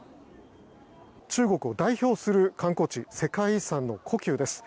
中国を代表する観光地世界遺産の故宮です。